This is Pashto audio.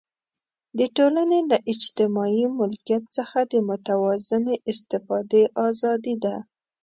د ټولنې له اجتماعي ملکیت څخه د متوازنې استفادې آزادي ده.